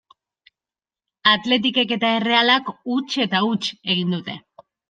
Athleticek eta Errealak huts eta huts egin dute.